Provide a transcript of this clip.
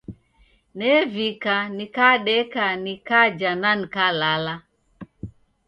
Nevika, nikadeka, nikajha na nikalala.